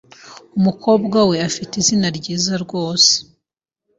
Umukobwa we afite izina ryiza rwose .